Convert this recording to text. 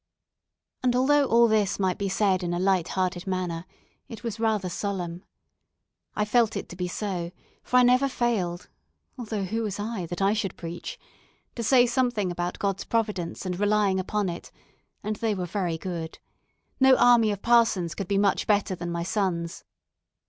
And although all this might be said in a light hearted manner, it was rather solemn. I felt it to be so, for I never failed (although who was I, that I should preach?) to say something about God's providence and relying upon it; and they were very good. No army of parsons could be much better than my sons.